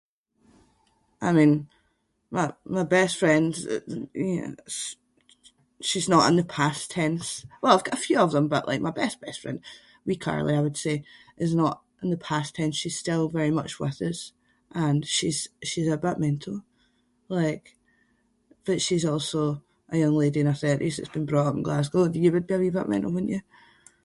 I mean, my- my best friend- [inc] sh- she’s not in the past tense. Well, I’ve got a few of them but like my best best friend- wee Carly I would say is not in the past tense. She’s still very much with us and she’s- she’s a bit mental, like, but she’s also a young lady in her thirties that’s been brought up in Glasgow. You would be a wee bit mental, wouldn’t you?